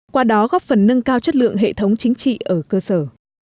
qua đó góp phần nâng cao chất lượng hệ thống chính trị ở cơ sở